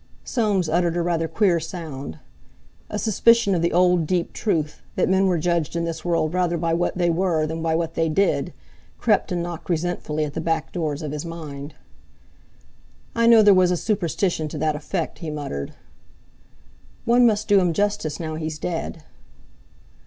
Soames uttered a rather queer sound. A suspicion of the old deep truth—that men were judged in this world rather by what they were than by what they did—crept and knocked resentfully at the back doors of his mind. "I know there was a superstition to that effect," he muttered. "One must do him justice now he's dead."